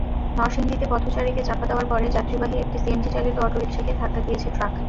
নরসিংদীতে পথচারীকে চাপা দেওয়ার পরে যাত্রীবাহী একটি সিএনজিচালিত অটোরিকশাকে ধাক্কা দিয়েছে ট্রাক।